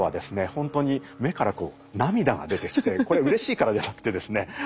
ほんとに目からこう涙が出てきてこれうれしいからじゃなくてですね